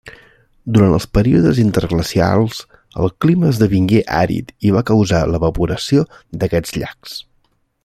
Durant els períodes interglacials, el clima esdevingué àrid i va causar l'evaporació d'aquests llacs.